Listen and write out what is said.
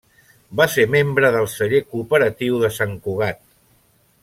Va ser membre del Celler Cooperatiu de Sant Cugat.